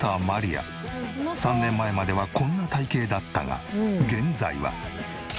亜３年前まではこんな体形だったが現在は。